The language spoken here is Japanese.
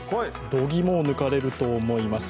度肝を抜かれると思います。